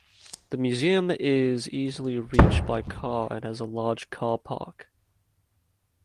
The museum is easily reached by car and has a large car park.